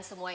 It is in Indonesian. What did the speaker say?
eh ini kan